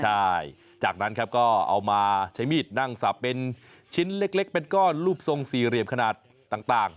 ใช่จากนั้นครับก็เอามาใช้มีดนั่งสับเป็นชิ้นเล็กเป็นก้อนรูปทรงสี่เหลี่ยมขนาดต่าง